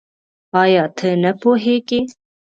آيا ته نه پوهېږې؟